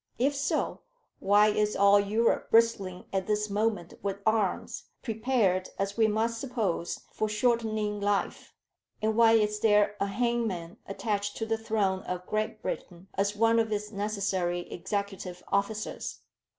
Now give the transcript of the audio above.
If so, why is all Europe bristling at this moment with arms, prepared, as we must suppose, for shortening life, and why is there a hangman attached to the throne of Great Britain as one of its necessary executive officers?